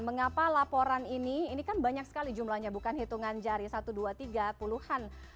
mengapa laporan ini ini kan banyak sekali jumlahnya bukan hitungan jari satu dua tiga puluh an